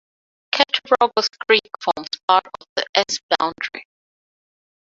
Cattaraugus Creek forms a part of the S. boundary.